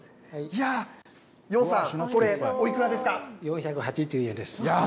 いやー、楊さん、これおいくらで４８０円です。